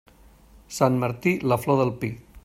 Sant Martí, la flor del pi.